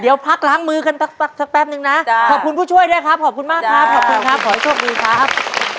เดี๋ยวพักล้างมือกันสักแป๊บนึงนะขอบคุณผู้ช่วยด้วยครับขอบคุณมากครับขอบคุณครับขอให้โชคดีครับ